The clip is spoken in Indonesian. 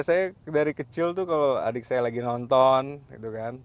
saya dari kecil tuh kalau adik saya lagi nonton gitu kan